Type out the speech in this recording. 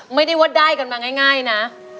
ไม่ได้ว่าได้กันมาง่ายนะ